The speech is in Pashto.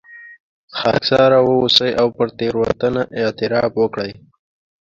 خاکساره واوسئ او پر تېروتنه اعتراف وکړئ.